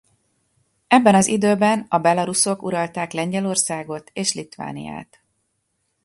Ebben az időben a belaruszok uralták Lengyelországot és Litvániát.